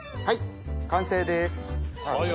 はい完成です。